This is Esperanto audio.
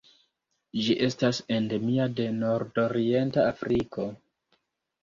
Ĝi estas endemia de nordorienta Afriko.